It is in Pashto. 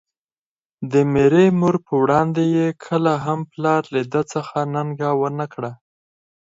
د ميرې مور په وړاندې يې کله هم پلار له ده څخه ننګه ونکړه.